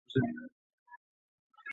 三月卒于琼。